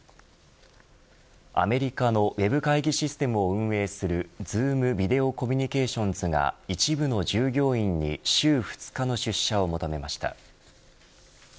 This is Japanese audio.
アメリカのウェブ会議システムを運営するＺｏｏｍビデオ・コミュニケーションズが一部の従業員に週２日の出社を求めました。